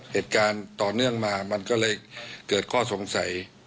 เหตุการณ์ต่อเนื่องมามันก็เลยเกิดข้อสงสัย